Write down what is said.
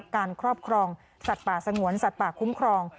ครอบครองสัตว์ป่าสงวนสัตว์ป่าคุ้มครอง